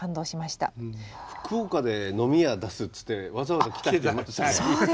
「福岡で飲み屋出す」つってわざわざ来た人いましたね。